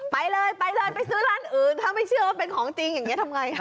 ไปเลยไปเลยไปซื้อร้านอื่นถ้าไม่เชื่อว่าเป็นของจริงอย่างนี้ทำไงคะ